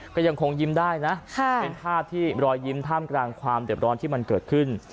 ก็ยังคงยิ้มได้นะเป็นภาพที่รอยยิ้มท่ามกลางความเด็บร้อนที่มันเกิดขึ้น